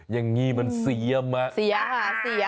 อย่างนี้มันเสียมา